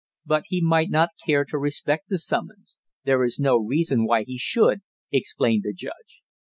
"But he might not care to respect the summons; there is no reason why he should," explained the judge.